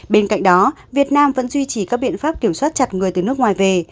bên cạnh đó việt nam vẫn duy trì các biện pháp kiểm soát chặt người từ nước ngoài về